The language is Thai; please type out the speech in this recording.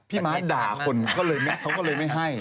พี่ม้าด่าคนเขาก็เลยไม่ให้